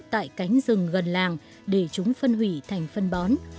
tại cánh rừng gần làng để chúng phân hủy thành phân bón